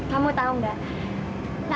kamu tahu nggak